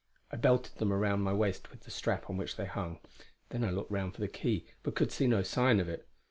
I belted them round my waist with the strap on which they hung. Then I looked round for the key, but could see no sign of it.